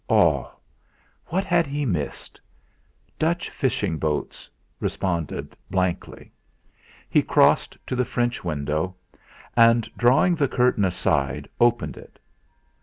All! What had he missed? 'Dutch Fishing Boats' responded blankly; he crossed to the French window, and drawing the curtain aside, opened it.